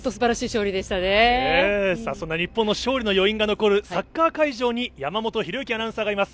そんな日本の勝利の余韻が残るサッカー会場に山本紘之アナウンサーがいます。